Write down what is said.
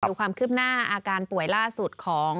ดูความคืบหน้าอาการป่วยล่าสุดของ